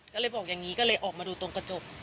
ก็เลยบอกอย่างนี้ก็เลยออกมาดูตรงกระจก